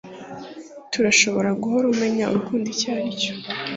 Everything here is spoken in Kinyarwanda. turashobora guhora umenya urukundo icyo aricyo